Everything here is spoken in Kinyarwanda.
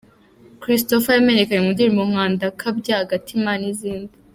Christopher yamenyekanye mu ndirimbo nka ‘Ndakabya’, ‘Agatima’ n’izindi.